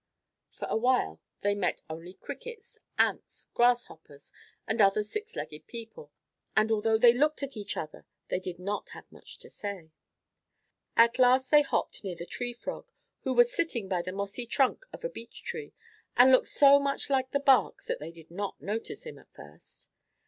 For a while they met only Crickets, Ants, Grasshoppers, and other six legged people, and although they looked at each other they did not have much to say. At last they hopped near to the Tree Frog, who was sitting by the mossy trunk of a beech tree and looked so much like the bark that they did not notice him at first.